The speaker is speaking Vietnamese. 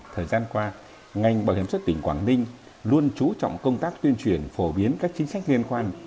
thời gian qua ngành bảo hiểm xuất tỉnh quảng ninh luôn trú trọng công tác tuyên truyền phổ biến các chính sách liên quan